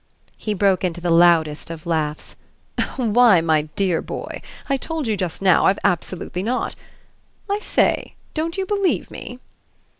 He broke into the loudest of laughs. "Why, my dear boy, I told you just now I've absolutely not. I say, don't you believe me?"